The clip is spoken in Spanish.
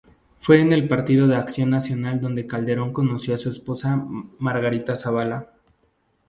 Fue en el Partido Acción Nacional donde Calderón conoció a su esposa, Margarita Zavala.